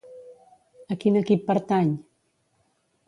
A quin equip pertany?